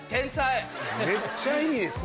めっちゃいいです。